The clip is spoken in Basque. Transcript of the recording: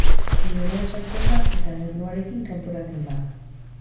Gibelean sartzen da eta gernuarekin kanporatzen da.